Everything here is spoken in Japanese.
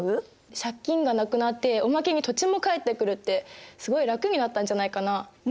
借金がなくなっておまけに土地も返ってくるってすごい楽になったんじゃないかな？ね。